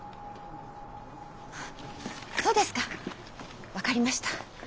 そうですか分かりました。